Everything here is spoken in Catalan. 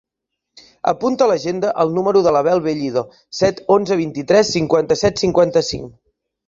Apunta a l'agenda el número de l'Abel Bellido: set, onze, vint-i-tres, cinquanta-set, cinquanta-cinc.